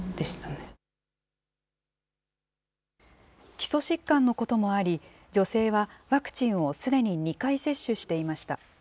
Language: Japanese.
基礎疾患のこともあり、女性はワクチンをすでに２回接種していました。